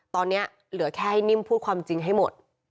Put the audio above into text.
ตอนนี้เหลือแค่ให้นิ่มพูดความจริงให้หมด